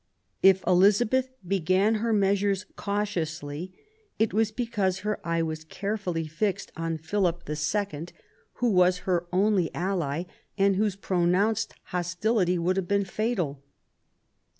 If Elizabeth began her measures cautiously, it was because her eye was carefully fixed on Philip II., who was her only ally, and whose pronounced hostility would have been fatal.